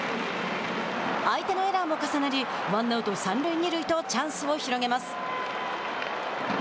相手のエラーも重なりワンアウト、三塁二塁とチャンスを広げます。